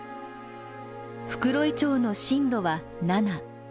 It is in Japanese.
袋井町の震度は７。